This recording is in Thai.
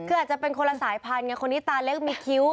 คืออาจจะเป็นคนละสายพันธุไงคนนี้ตาเล็กมีคิ้ว